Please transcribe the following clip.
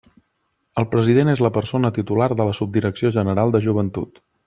El president és la persona titular de la Subdirecció General de Joventut.